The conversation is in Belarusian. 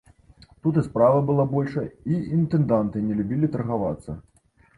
Тут і справа была большая, і інтэнданты не любілі таргавацца.